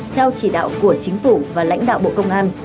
theo chỉ đạo của chính phủ và lãnh đạo bộ công an